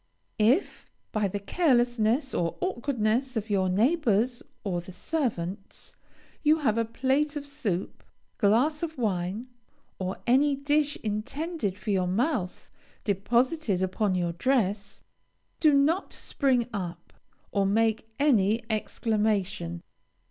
If, by the carelessness or awkwardness of your neighbors or the servants, you have a plate of soup, glass of wine, or any dish intended for your mouth, deposited upon your dress, do not spring up, or make any exclamation.